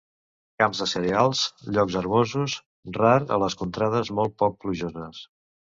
Camps de cereals, llocs herbosos; rar a les contrades molt poc plujoses.